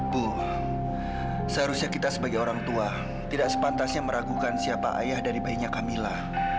bu seharusnya kita sebagai orang tua tidak sepantasnya meragukan siapa ayah dari bayinya camilla